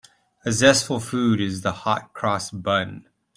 A zestful food is the hot-cross bun.